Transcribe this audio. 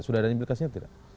sudah ada implikasinya tidak